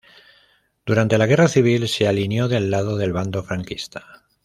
Durante la Guerra Civil se alineó del lado del Bando franquista.